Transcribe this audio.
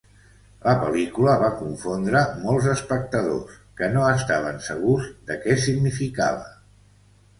La pel·lícula va confondre molts espectadors, que no estaven segurs de què significava.